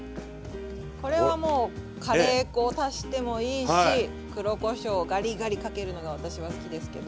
これはもうカレー粉を足してもいいし黒こしょうガリガリかけるのが私は好きですけど。